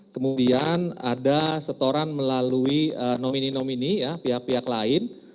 kemudian ada setoran melalui nomini nomini pihak pihak lain